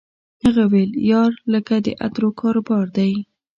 هغه ویل یار لکه د عطرو کاروبار دی